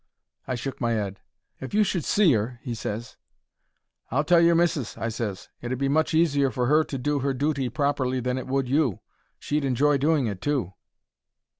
I shook my 'ead. "If you should see 'er," he ses. "I'll tell your missis," I ses. "It 'ud be much easier for her to do her dooty properly than it would you. She'd enjoy doing it, too."